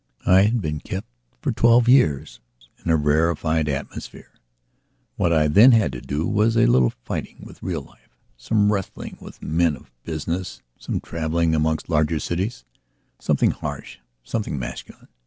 I had been kept for twelve years in a rarefied atmosphere; what I then had to do was a little fighting with real life, some wrestling with men of business, some travelling amongst larger cities, something harsh, something masculine.